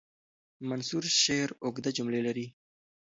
منثور شعر اوږده جملې لري.